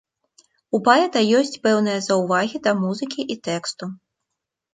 У паэта ёсць пэўныя заўвагі да музыкі і тэксту.